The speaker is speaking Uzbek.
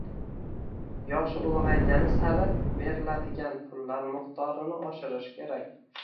Yoshi ulg‘aygani sari beriladigan pullar miqdorini oshirish kerak.